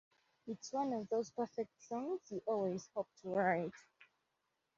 It's one of those perfect songs you always hope to write.